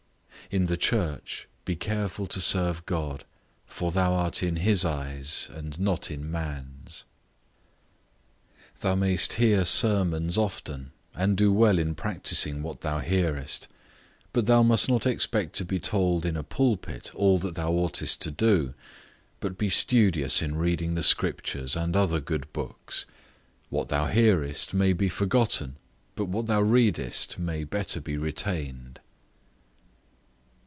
In the church, be careful to serve God; for thou art in his eyes, and not in man's. Thou mayst hear sermons often, and do well in practising what thou hearest; but thou must not expect to be told in a pulpit all that thou oughtest to do, but be studious in reading the Scriptures, and other good books; what thou hearest may be forgotten, but what thou readest may better be retained.